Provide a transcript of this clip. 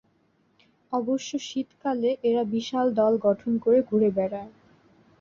অবশ্য শীতকালে এরা বিশাল দল গঠন করে ঘুরে বেড়ায়।